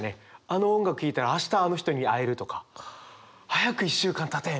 あの音楽聴いたら「明日あの人に会える」とか「早く１週間たて」みたいな。